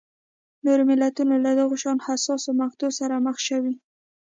نور ملتونه له دغه شان حساسو مقطعو سره مخ شوي.